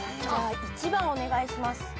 じゃあ１番お願いします。